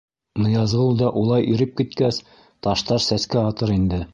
Ныязғол да улай иреп киткәс, таштар сәскә атыр инде.